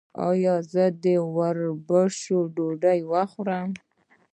ایا زه د وربشو ډوډۍ وخورم؟